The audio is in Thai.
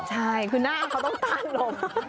ใช่คือหน้าเขาต้องตั้งลง